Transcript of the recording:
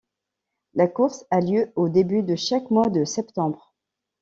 La course a lieu au début de chaque mois de septembre.